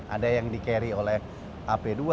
ada yang di carry oleh ap dua